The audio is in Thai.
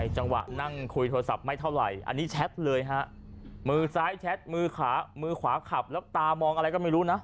จังหวะนั่งคุยโทรศัพท์ไม่เท่าไหร่อันนี้แชทเลยฮะมือซ้ายแชทมือขามือขวาขับแล้วตามองอะไรก็ไม่รู้นะ